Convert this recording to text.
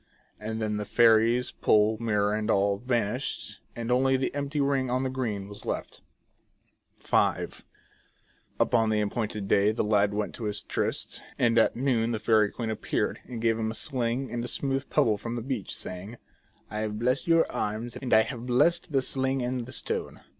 And then the fairies, pole, mirror, and all, vanished and only the empty ring on the green was left. The Fairies of Caragonan. V. Upon the appointed day the lad went to his tryst, and at noon the Fairy Queen appeared, and gave him a sling and a smooth pebble from the beach, saying :" I have blessed your arms, and I have blessed the sling and the stone.